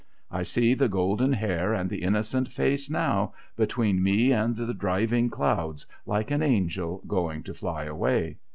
I see the golden hair and the innocent face now, between me and the driving clouds, like an angel going to fly away.